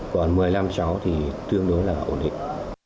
còn một mươi năm cháu thì tương đối là ổn định